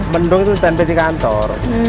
mendung itu standby di kantor